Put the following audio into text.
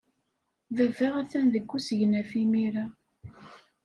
Baba atan deg usegnaf imir-a.